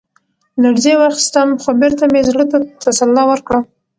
لـړزې واخيسـتم ، خـو بـېرته مـې زړه تـه تـسلا ورکړه.